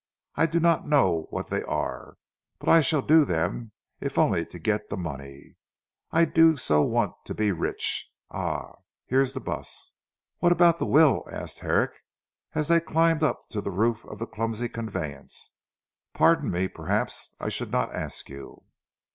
I do not know what they are, but I shall do them if only to get the money. I do so want to be rich. Ah here is the bus." "What about the will?" asked Herrick as they climbed up to the roof of the clumsy conveyance, "pardon me, perhaps I should not ask you."